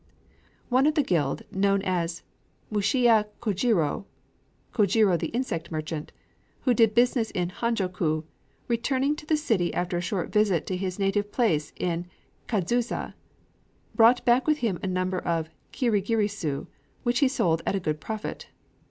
One of the guild known as Mushiya Kojirō ("Kojirō the Insect Merchant"), who did business in Honjō Ku, returning to the city after a short visit to his native place in Kadzusa, brought back with him a number of kirigirisu, which he sold at a good profit.